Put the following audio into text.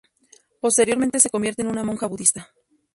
Posteriormente se convierte en una monja budista.